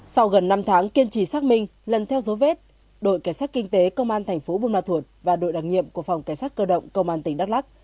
sau gần năm tháng kiên trì xác minh lần theo dấu vết đội kẻ sát kinh tế công an thành phố bương ma thuột và đội đặc nhiệm của phòng kẻ sát cơ động công an tỉnh đắk lắk